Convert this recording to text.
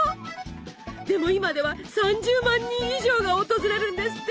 でも今では３０万人以上が訪れるんですって。